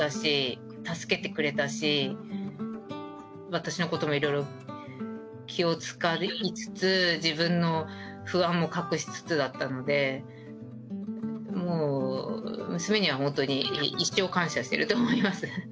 私のこともいろいろ気を使いつつ、自分の不安を隠しつつだったので、もう娘には本当に一生感謝していると思います。